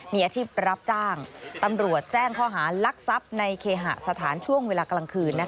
มีอาชีพรับจ้างตำรวจแจ้งข้อหารักทรัพย์ในเคหสถานช่วงเวลากลางคืน